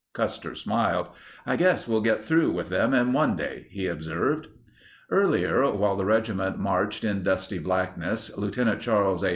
Custer smiled. "I guess we'll get through with them in one day," he observed. Earlier, while the regiment marched in dusty blackness, Lt. Charles A.